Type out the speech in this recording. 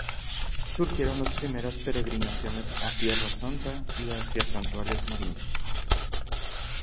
Surgieron las primeras peregrinaciones a Tierra Santa y hacia santuarios Marianos.